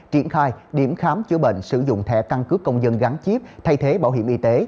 triển khai điểm khám chữa bệnh sử dụng thẻ căn cước công dân gắn chip thay thế bảo hiểm y tế